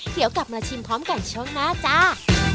เดี๋ยวกลับมาชิมพร้อมกันช่วงหน้าจ้า